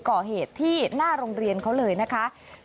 ก่อเหตุที่หน้าโรงเรียนเขาเลยนะคะ